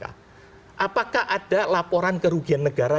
apakah ada laporan kerugian negara